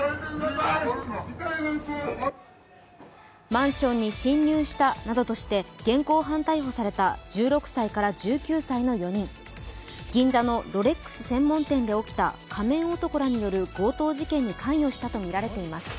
マンションに侵入したなどとして現行犯逮捕された１６歳から１９歳の男４人、銀座のロレックス専門店で起きた仮面男らによる強盗事件に関与したとみられています。